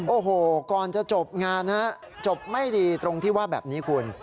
โอ้โหก่อนจะจบงานฮะจบไม่ดีตรงที่ว่าแบบนี้คุณ